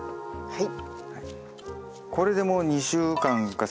はい。